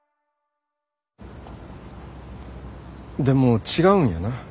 でも違うんやな。